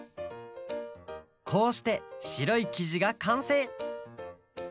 こうしてしろいきじがかんせい！